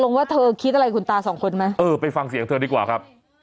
ว่าเธอคิดอะไรคุณตาสองคนไหมเออไปฟังเสียงเธอดีกว่าครับ